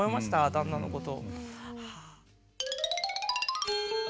旦那のこと。